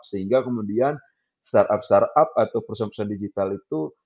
sehingga kemudian startup startup atau perusahaan perusahaan digital itu